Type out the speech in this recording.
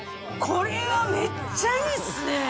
これはめっちゃいいですね。